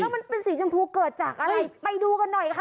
มันเป็นสีชมพูเกิดจากอะไรไปดูกันหน่อยค่ะ